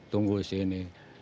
tunggu di sini